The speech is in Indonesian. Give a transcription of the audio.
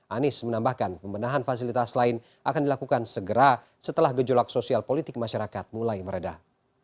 anies menambahkan pembenahan fasilitas lain akan dilakukan segera setelah gejolak sosial politik masyarakat mulai meredah